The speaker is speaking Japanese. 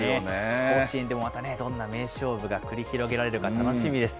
甲子園でもまたね、どんな名勝負が繰り広げられるか楽しみです。